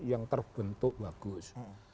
yang terbentuk bagus